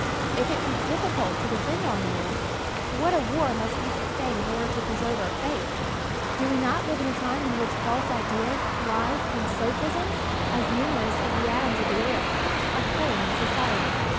If it be difficult to defend our morals, what a war must we sustain in order to preserve our faith ! Do we not live in a time in which false ideas, lies and sophisms, as numerous as the atoms of the air, are current in society.